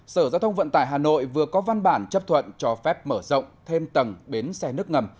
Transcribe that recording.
sở giao thông vận tải hà nội vừa có văn bản chấp thuận cho phép mở rộng thêm tầng bến xe nước ngầm